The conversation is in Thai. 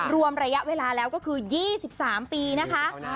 รวมระยะเวลาแล้วก็คือ๒๓ปีนะคะ